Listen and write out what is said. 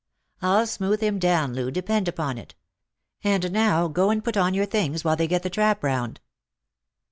" I'll smooth him down, Loo, depend upon it. And now go and put on your things, while they get the trap round."